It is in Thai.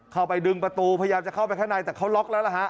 เข้าไปดึงประตูพยายามจะเข้าไปข้างในแต่เขาล็อกแล้วล่ะฮะ